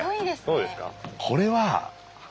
そうですか。